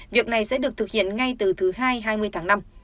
việc này sẽ được thực hiện ngay từ thứ hai hai mươi tháng năm